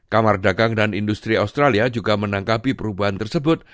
kamar dagang dan industri australia juga menangkapi perubahan tersebut